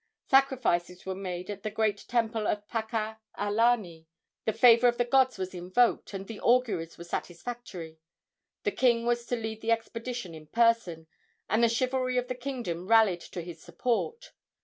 Sacrifices were made at the great temple of Pakaalani; the favor of the gods was invoked, and the auguries were satisfactory. The king was to lead the expedition in person, and the chivalry of the kingdom rallied to his support.